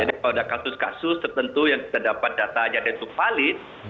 jadi kalau ada kasus kasus tertentu yang kita dapat data yang itu valid